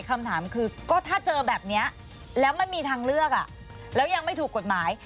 คำถามคือก็ถ้าเจอแบบนี้แล้วมันมีทางเลือกแล้วยังไม่ถูกกฎหมาย